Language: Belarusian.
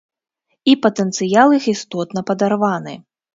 І патэнцыял іх істотна падарваны.